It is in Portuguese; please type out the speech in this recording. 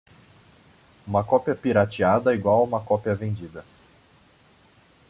Uma cópia "pirateada" igual a uma cópia vendida.